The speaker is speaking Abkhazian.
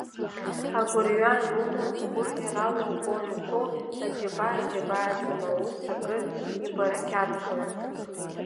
Агәырҩа анумам, гәырӷьарала угәы анҭәу, аџьабаа џьабааӡам, аус акыр ибарақьаҭхоит.